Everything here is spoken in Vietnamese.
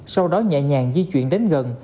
sau đó nhẹ nhàng di chuyển đến gần